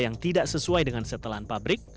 yang tidak sesuai dengan setelan pabrik